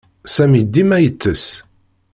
Sami dima yettess.